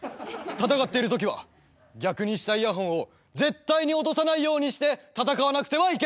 戦っているときは逆にしたイヤホンを絶対に落とさないようにして戦わなくてはいけない！